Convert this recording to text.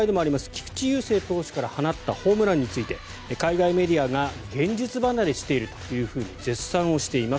菊池雄星投手から放ったホームランについて海外メディアが現実離れしていると絶賛しています。